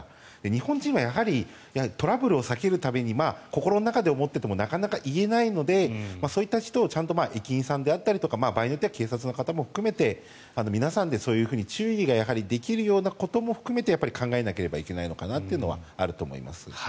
日本人はトラブルを避けるために心の中で思っていてもなかなか言えないのでそういった人たちを駅員さんだとか場合によっては警察の方も含めて皆さんで注意ができるようなことも含めて考えなければいけないのかなというのはあると思います。